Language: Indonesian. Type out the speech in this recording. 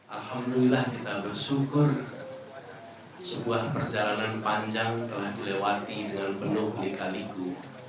alhamdulillah kita bersyukur sebuah perjalanan panjang telah dilewati dengan penuh lika liku